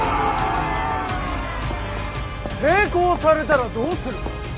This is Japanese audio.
抵抗されたらどうする？